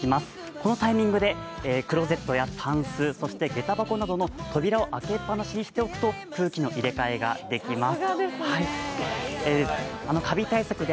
このタイミングでクローゼットやタンスそしてげた箱などの扉を開けっぱなしにしておくと空気の入れ替えができます。